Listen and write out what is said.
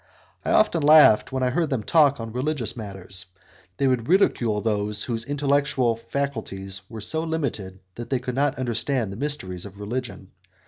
I often laughed when I heard them talk on religious matters; they would ridicule those whose intellectual faculties were so limited that they could not understand the mysteries of religion.